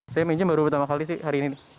saya minjem baru pertama kali sih hari ini